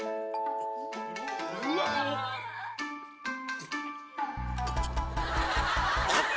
うわっ！